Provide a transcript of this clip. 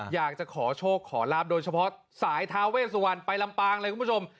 อยากจะขอโชคขอลาบโดยเฉพาะสายทาเวสวันไปลำปางเลยคุณผู้ชม